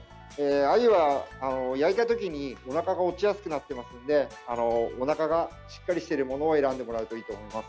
アユは焼いたときに、おなかが落ちやすくなってますのでおなかがしっかりしているものを選んでもらうといいと思います。